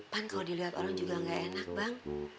bang kalau dilihat orang juga gak enak bang